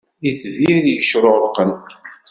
Itbir yecrurqen.